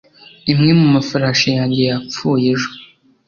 imwe mu mafarashi yanjye yapfuye ejo